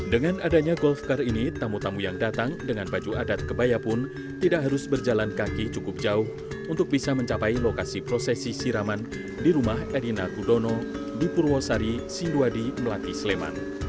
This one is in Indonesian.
dengan adanya golf car ini tamu tamu yang datang dengan baju adat kebaya pun tidak harus berjalan kaki cukup jauh untuk bisa mencapai lokasi prosesi siraman di rumah erina gudono di purwosari sinduadi melati sleman